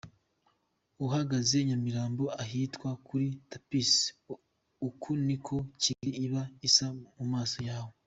Uhagaze i Nyamirambo ahitwa kuri Tapis, uku niko Kigali iba isa mu maso yawe.